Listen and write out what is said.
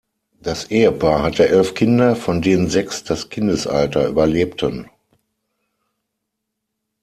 Das Ehepaar hatte elf Kinder, von denen sechs das Kindesalter überlebten.